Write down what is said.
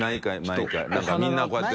莢何かみんなこうやって。